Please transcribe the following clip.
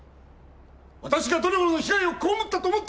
わたしがどれほどの被害を被ったと思ってるんです！